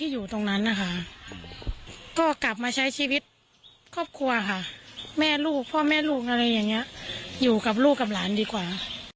อยู่ตรงนั้นนะคะก็กลับมาใช้ชีวิตครอบครัวค่ะแม่ลูกพ่อแม่ลูกอะไรอย่างนี้อยู่กับลูกกับหลานดีกว่า